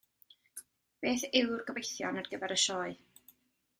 Beth yw'r gobeithion ar gyfer y sioe?